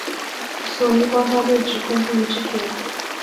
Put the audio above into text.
索尼官方对指控不予置评。